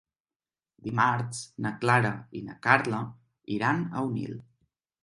Dimarts na Clara i na Carla iran a Onil.